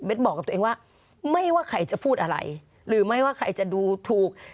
บอกกับตัวเองว่าไม่ว่าใครจะพูดอะไรหรือไม่ว่าใครจะดูถูก